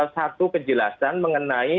satu kejelasan mengenai